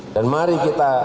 dan mari kita